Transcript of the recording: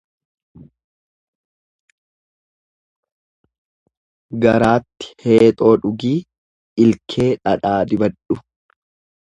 Garaatti heexoo dhugii ilkee dhadhaa dibadhu.